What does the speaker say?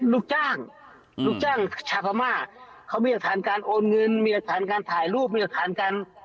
ลูกจ้างชาพม่าเขามีอักษรการโอนเงินมีอักษรการถ่ายรูปมีอักษรการ